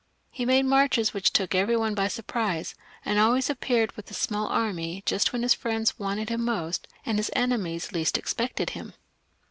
He made marches which took every one by surprise, and always appeared with his small army just when his friends wanted him most, and his enemies the least expected him.